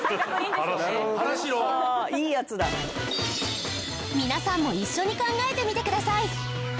いいヤツだ皆さんも一緒に考えてみてください